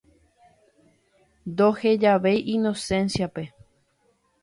Ndohejavéi Inocencia-pe.